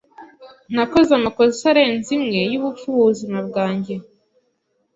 Nakoze amakosa arenze imwe yubupfu mubuzima bwanjye.